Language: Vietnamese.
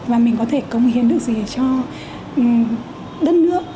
và mình có thể cống hiến được gì cho đất nước